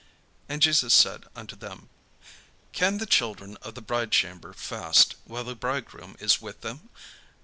And Jesus said unto them: "Can the children of the bridechamber fast, while the bridegroom is with them?